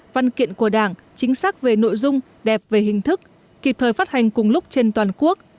văn kiện của đảng chính xác về nội dung đẹp về hình thức kịp thời phát hành cùng lúc trên toàn quốc